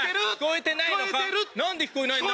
なんで聞こえないんだ？